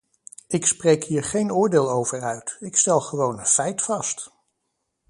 Ik spreek hier geen oordeel over uit, ik stel gewoon een feit vast.